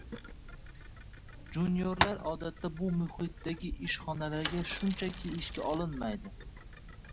juniorlar odatda bu muhitdagi ishxonalarga shunchaki ishga olinmaydi